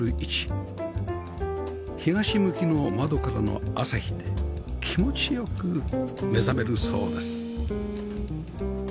東向きの窓からの朝日で気持ちよく目覚めるそうです